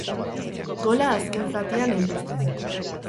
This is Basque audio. Gola azken zatian heldu zen.